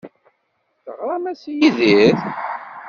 Teɣram-as i Yidir?